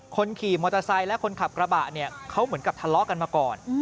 คนขี่มอเตอร์ไซค์และคนขับกระบะเนี่ยเขาเหมือนกับทะเลาะกันมาก่อน